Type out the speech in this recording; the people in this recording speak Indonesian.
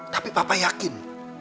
tapi papa yakin